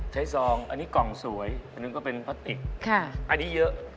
ซองอันนี้กล่องสวยอันหนึ่งก็เป็นพลาสติกอันนี้เยอะ